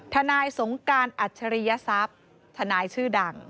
ทนายสงการอัจฉริยทรัพย์ทนายชื่อดัง